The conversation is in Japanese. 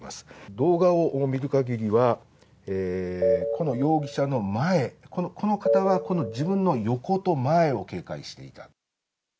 動画を見る限りは、容疑者の前この方は自分の横と前を警戒していた。